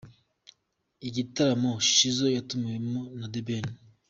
Igitaramo Shizzo yatumiwemo na The Ben.